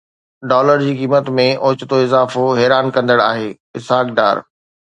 dollar جي قيمت ۾ اوچتو اضافو حيران ڪندڙ آهي: اسحاق ڊار